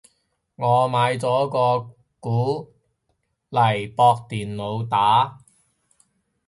我買咗個鼓嚟駁電腦打